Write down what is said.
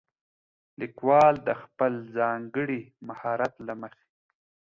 ليکوال د خپل ځانګړي مهارت له مخې